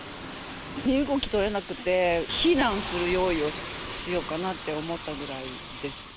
身動き取れなくて、避難する用意をしようかなって思ったぐらいです。